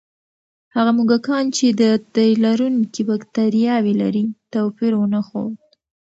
هغه موږکان چې د تیلرونکي بکتریاوې لري، توپیر ونه ښود.